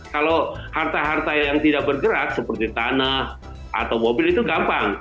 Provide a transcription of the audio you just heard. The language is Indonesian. kalau harta harta yang tidak bergerak seperti tanah atau mobil itu gampang